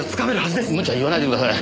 無茶言わないでください。